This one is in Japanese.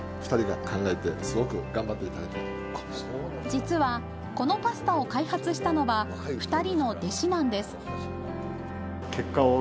実はこのパスタを開発したのは２人の弟子なんです。